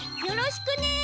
よろしくね。